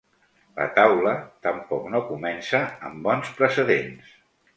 La taula tampoc no comença amb bons precedents.